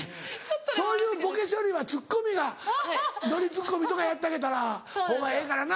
そういうボケ処理はツッコミがノリツッコミとかやってあげたらほうがええからな。